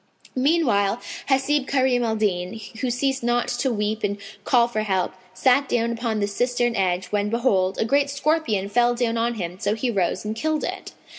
Meanwhile Hasib Karim al Din, who ceased not to weep and call for help, sat down upon the cistern edge when behold, a great scorpion fell down on him; so he rose and killed it.